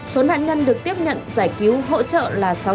số nạn nhân được tiếp nhận giải cứu hỗ trợ là sáu mươi sáu nạn nhân